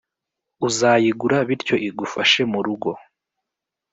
uzayigura bityo igufashe mu rugo